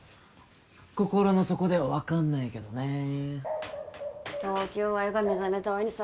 心の底では分かんないけどね東京愛ば目覚めたおいにそ